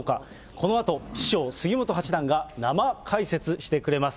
このあと、師匠、杉本八段が生解説してくれます。